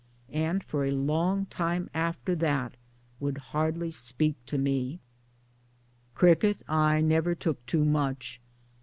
And for a long time after that would hardly speak to me. Cricket I never took to much.